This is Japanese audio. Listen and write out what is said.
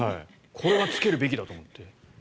これはつけるべきだと思って。